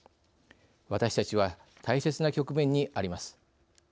私たちは、大切な局面にあります。